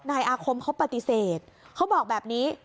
นายอาคมเขาปฏิเสธเขาบอกแบบนี้